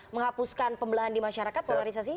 menghapuskan pembelahan di masyarakat polarisasi